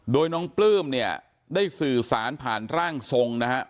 โดยน้องปลื้มเนี่ยได้สื่อสารผ่านร่างทรงนะฮะ